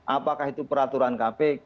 apakah itu peraturan kpk